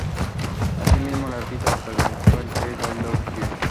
Asimismo, la artista protagonizó "Is There Life Out There?